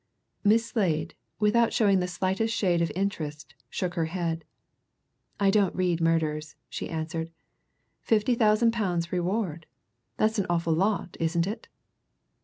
Miss Slade, without showing the slightest shade of interest, shook her head. "I don't read murders," she answered. "Fifty thousand pounds reward! That's an awful lot, isn't it?"